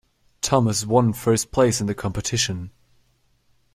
Thomas one first place in the competition.